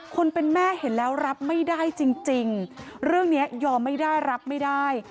คนเป็นแม่เห็นแล้วรับไม่ได้จริงเรื่องนี้ยอมไม่ได้รับไม่ได้